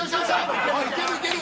いけるいける！